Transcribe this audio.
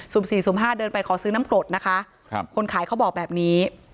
สี่สุ่มห้าเดินไปขอซื้อน้ำกรดนะคะครับคนขายเขาบอกแบบนี้